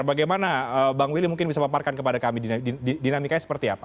bagaimana bang willy mungkin bisa paparkan kepada kami dinamikanya seperti apa